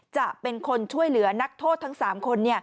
จะเป็นคนช่วยเหลือนักโทษทั้ง๓คน